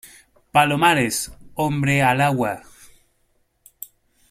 ¡ palomares! ¡ hombre al agua !